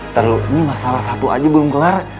terus ini masalah satu aja belum kelar